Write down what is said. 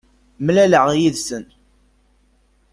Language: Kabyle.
Mlaleɣ yid-sen.